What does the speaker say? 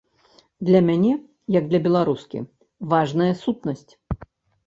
Для мяне, як для беларускі, важная сутнасць.